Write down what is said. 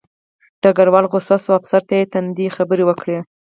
ډګروال غوسه شو او افسر ته یې تندې خبرې وکړې